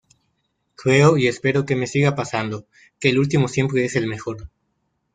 Creo, y espero que me siga pasando, que el último siempre es el mejor…".